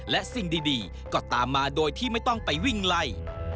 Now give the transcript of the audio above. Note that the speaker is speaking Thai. และสิ่งดีก็ตามมาโดยที่ไม่ต้องไปวิ่งไล่